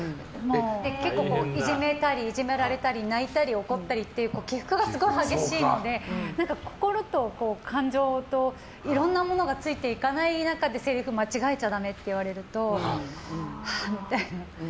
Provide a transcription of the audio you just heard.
結構いじめたり、いじめられたり泣いたり怒ったりっていう起伏がすごい激しいので心と、感情といろんなものがついていかない中でせりふを間違えちゃダメって言われると、はあみたいな。